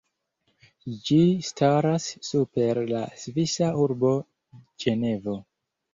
Ĝi staras super la svisa urbo Ĝenevo.